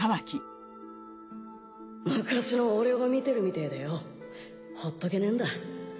昔の俺を見てるみてえでよほっとけねえんだ。